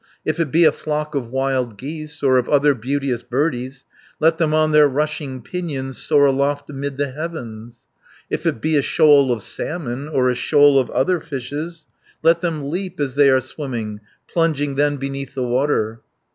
If it be a flock of wild geese, Or of other beauteous birdies, Let them on their rushing pinions Soar aloft amid the heavens. 70 "If it be a shoal of salmon, Or a shoal of other fishes, Let them leap as they are swimming, Plunging then beneath the water.